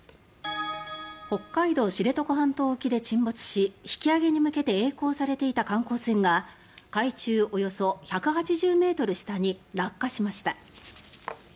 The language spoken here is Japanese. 北海道・知床半島沖で沈没し引き揚げに向けてえい航されていた観光船が海中およそ１８０ｍ下に落下しました。